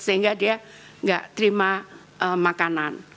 sehingga dia nggak terima makanan